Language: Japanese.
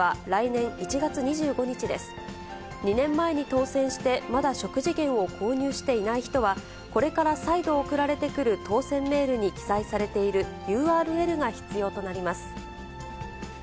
２年前に当せんして、まだ食事券を購入していない人は、これから再度送られてくる当せんメールに記載されているＵＲＬが必要となります。